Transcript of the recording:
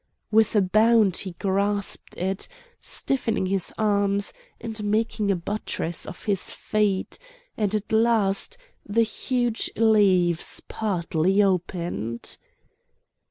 With a bound he grasped it, stiffening his arms, and making a buttress of his feet, and at last the huge leaves partly opened.